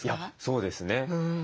そうですね。